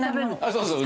そうそう。